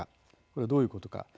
これ、どういうことか。